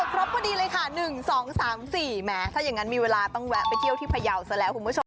ครบพอดีเลยค่ะ๑๒๓๔แม้ถ้าอย่างนั้นมีเวลาต้องแวะไปเที่ยวที่พยาวซะแล้วคุณผู้ชม